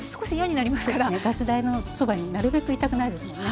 ガス台のそばになるべくいたくないですもんね。